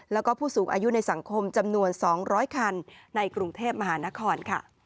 แล้วก็ผู้สูงอายุในสังคมจำนวน๒๐๐คันในกรุงเทพมหานคร